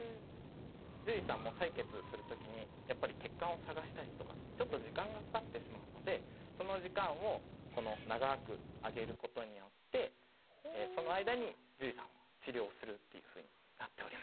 獣医さんも採血する時にやっぱり血管を探したりとかってちょっと時間がかかってしまうのでその時間を長くあげることによってその間に獣医さんは治療するっていうふうになっております。